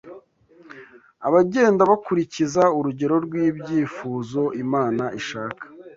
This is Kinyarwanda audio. Abagenda bakurikiza urugero rw’ibyifuzo Imana ishaka